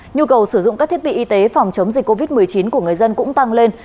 nhu cầu sử dụng các thiết bị y tế phòng chống dịch covid một mươi chín của người dân cũng tăng lên